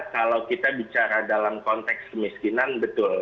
kalau kita bicara dalam konteks kemiskinan betul